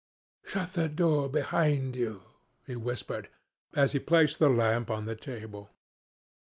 "Shut the door behind you," he whispered, as he placed the lamp on the table.